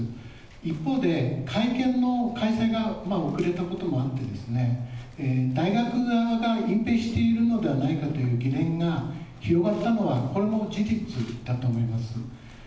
一方で、会見の開催が遅れたこともあってですね、大学側が隠ぺいしているのではないかという疑念が広がったのは、これも事実だと思います。